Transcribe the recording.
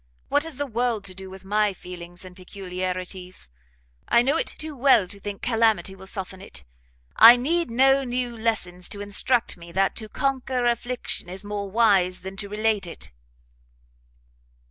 what has the world to do with my feelings and peculiarities? I know it too well to think calamity will soften it; I need no new lessons to instruct me that to conquer affliction is more wise than to relate it."